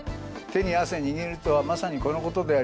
手に汗握るとはまさにこのことでありまして